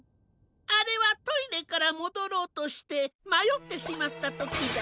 あれはトイレからもどろうとしてまよってしまったときだ。